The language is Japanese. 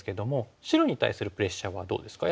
白に対するプレッシャーはどうですか安田さん。